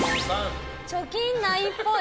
貯金ないっぽい。